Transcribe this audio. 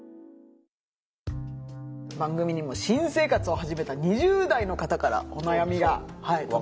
番組にも新生活をはじめた２０代の方からお悩みが届いてます。